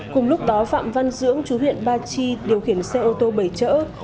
cùng lúc đó phạm văn dưỡng chú huyện ba chi điều khiển xe ô tô bảy chỗ